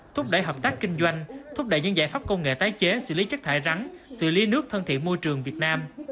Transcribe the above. thúc đẩy hợp tác kinh doanh thúc đẩy những giải pháp công nghệ tái chế xử lý chất thải rắn xử lý nước thân thiện môi trường việt nam